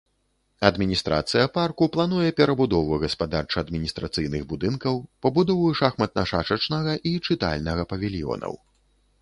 Адміністрацыя парку плануе перабудову гаспадарча-адміністрацыйных будынкаў, пабудову шахматна-шашачнага і чытальнага павільёнаў.